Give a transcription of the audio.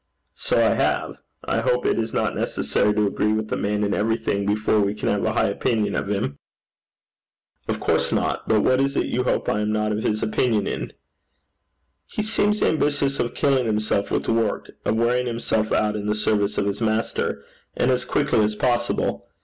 'So I have. I hope it is not necessary to agree with a man in everything before we can have a high opinion of him.' 'Of course not. But what is it you hope I am not of his opinion in?' 'He seems ambitious of killing himself with work of wearing himself out in the service of his master and as quickly as possible.